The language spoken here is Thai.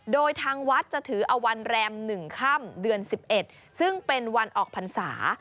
โดยทางวัดจะถือเอาวันแรม๑ค่ำเดือน๑๑ซึ่งเป็นวันออกพรรษา